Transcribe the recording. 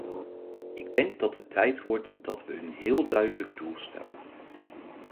Ik denk dat het tijd wordt dat we een heel duidelijk doel stellen.